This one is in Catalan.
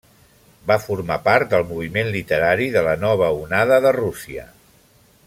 Va formar part del moviment literari de la Nova Onada de Rússia.